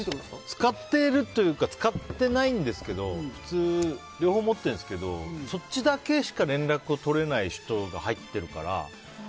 使っているというか使ってないんですけど両方持ってるんですけどそっちだけしか連絡を取れない人も入ってるから。